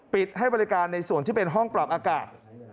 ให้บริการในส่วนที่เป็นห้องปรับอากาศ